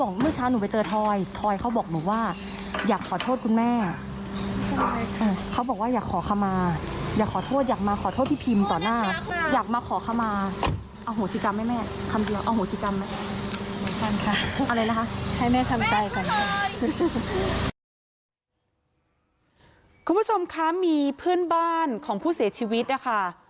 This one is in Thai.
คุณผู้ชมคะมีเพื่อนบ้านของผู้เสียชีวิตนะคะ